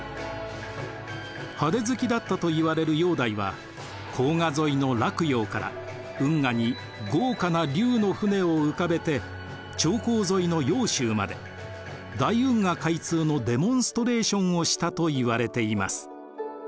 派手好きだったといわれる煬帝は黄河沿いの洛陽から運河に豪華な竜の船を浮かべて長江沿いの揚州まで大運河開通のデモンストレーションをしたといわれています。